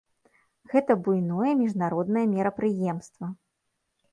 Гэта буйное міжнароднае мерапрыемства.